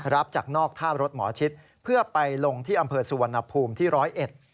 รับจากนอกท่ารถหมอชิดเพื่อไปลงที่อำเภอสุวรรณภูมิที่ร้อยเอ็ด